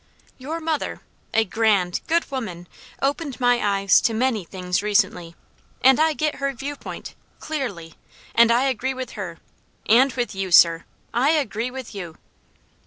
Your mother, a grand, good woman, opened my eyes to many things recently, and I get her viewpoint clearly, and I agree with her, and with you, sir! I agree with you!"